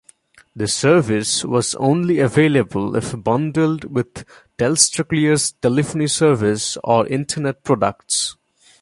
The service was only available if bundled with TelstraClear's telephony service or internet products.